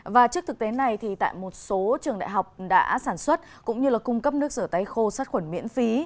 và trước thực tế này thì tại một số trường đại học đã sản xuất cũng như cung cấp nước rửa tay khô sát khuẩn miễn phí